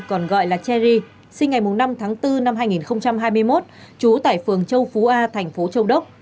còn gọi là cherry sinh ngày năm tháng bốn năm hai nghìn hai mươi một trú tại phường châu phú a thành phố châu đốc